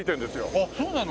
あっそうなの？